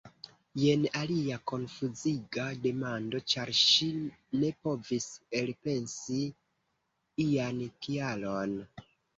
Jen alia konfuziga demando! Ĉar ŝi ne povis elpensi ian kialon.